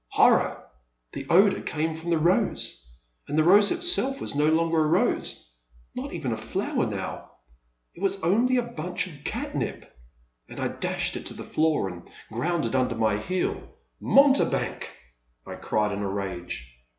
Horror ! The odour came from the rose, — and the rose itself was no longer a rose — not even a flower now, — ^it was only a bunch of catnip; and I dashed it to the floor and ground it under my heel. Mountebank !'* I cried in a rage.